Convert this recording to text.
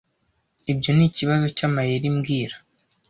Ibyo nikibazo cyamayeri mbwira